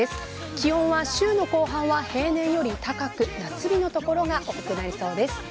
気温は週の後半は平年より高く夏日の所が多くなりそうです。